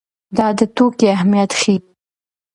دا د توکي اهميت ښيي.